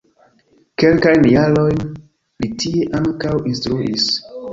Kelkajn jarojn li tie ankaŭ instruis.